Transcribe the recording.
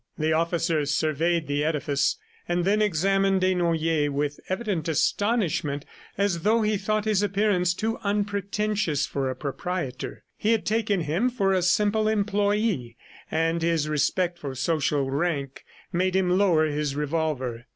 The officer surveyed the edifice and then examined Desnoyers with evident astonishment as though he thought his appearance too unpretentious for a proprietor. He had taken him for a simple employee, and his respect for social rank made him lower his revolver.